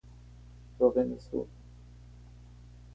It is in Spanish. Rogen es zurdo.